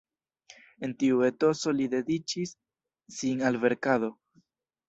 En tiu etoso li dediĉis sin al verkado.